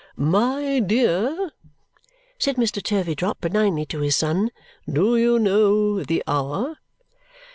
"My dear," said Mr. Turveydrop benignly to his son, "do you know the hour?"